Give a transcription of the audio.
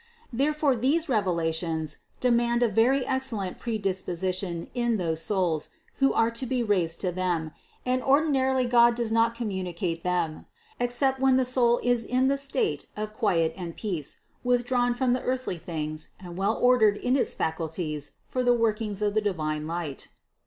There fore these revelations demand a very excellent predispo sition in those souls who are to be raised to them, and ordinarily God does not communicate them, except when the soul is in the state of quiet and peace, withdrawn from the earthly things and well ordered in its faculties for the workings of the divine light.